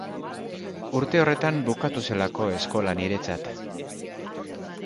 Urte horretan bukatu zelako eskola niretzat.